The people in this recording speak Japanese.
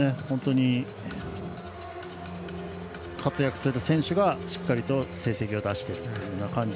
本当に活躍する選手がしっかりと成績を出していると。